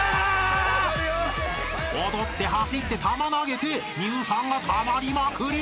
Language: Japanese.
［踊って走って玉投げて乳酸がたまりまくり！］